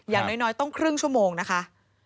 อย่างน้อยต้องครึ่งชั่วโมงนะคะ